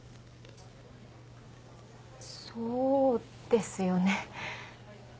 そうですよね。